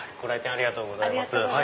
ありがとうございます。